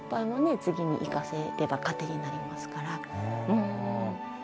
次に生かせれば糧になりますから。